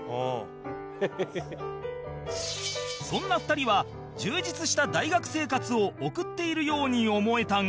そんな２人は充実した大学生活を送っているように思えたが